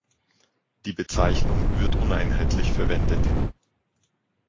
Die Bezeichnung wird uneinheitlich verwendet.